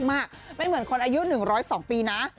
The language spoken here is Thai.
ไม่เหมือนคนอายุ๑๐๒ปีนะ